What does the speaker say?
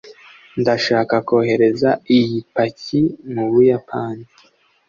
ndashaka kohereza iyi paki mubuyapani